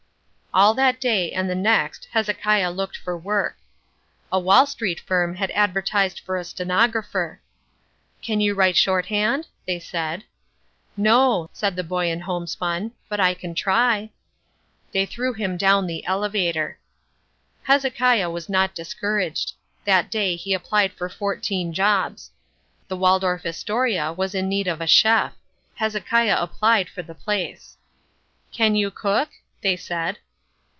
All that day and the next Hezekiah looked for work. A Wall Street firm had advertised for a stenographer. "Can you write shorthand?" they said. "No," said the boy in homespun, "but I can try." They threw him down the elevator. Hezekiah was not discouraged. That day he applied for fourteen jobs. The Waldorf Astoria was in need of a chef. Hezekiah applied for the place. "Can you cook?" they said.